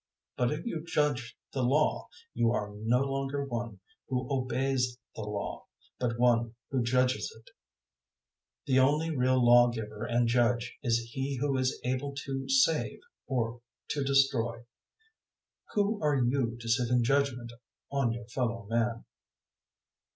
But if you judge the Law, you are no longer one who obeys the Law, but one who judges it. 004:012 The only real Lawgiver and Judge is He who is able to save or to destroy. Who are you to sit in judgement on your fellow man?